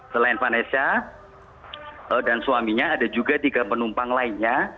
selain vanessa dan suaminya ada juga tiga penumpang lainnya